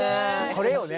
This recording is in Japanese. これよね。